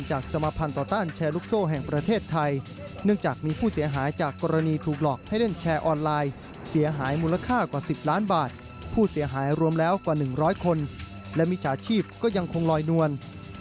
จากสมภัณฑ์ต่อต้านแชร์ลุกโซแห่งประเทศไทยเนื่องจากมีผู้เสียหายจากกรณีถูกหลอกให้เล่นแชร์ออนไลน์เสียหายมูลค่ากว่า๑๐ล้านบาทผู้เสียหายรวมแล้วกว่า๑๐๐คนและมิจฉาชีพก็ยังก่อนสร้างดีแล้วหลายครั้งแล้วมันจะเป็นประเภทที่เราถู